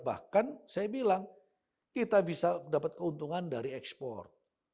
bahkan saya bilang kita bisa dapat keuntungan dari ekspor